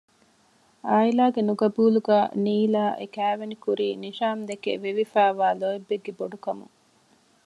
އާއިލާގެ ނުޤަބޫލުގައި ނީލާ އެ ކައިވެނި ކުރީ ނިޝާމްދެކެ ވެވިފައިވާ ލޯތްބެއްގެ ބޮޑުކަމުން